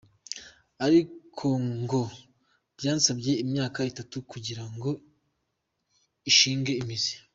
Ariko ngo byasabye imyaka itatu kugira ngo ishinge imizi.